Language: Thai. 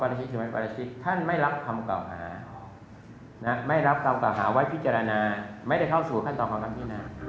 พิจารณาไม่ได้เข้าสู่ขั้นต่อของความพินาธิ